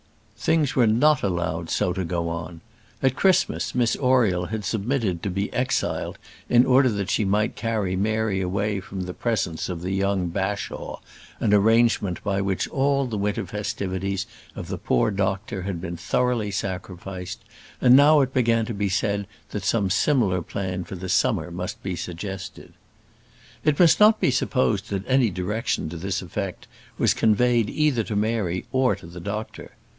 Things were not allowed so to go on. At Christmas Miss Oriel had submitted to be exiled, in order that she might carry Mary away from the presence of the young Bashaw, an arrangement by which all the winter festivities of the poor doctor had been thoroughly sacrificed; and now it began to be said that some similar plan for the summer must be suggested. It must not be supposed that any direction to this effect was conveyed either to Mary or to the doctor.